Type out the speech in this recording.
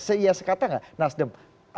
se iya sekata nggak nasdem